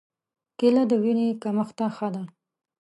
کېله د وینې کمښت ته ښه ده.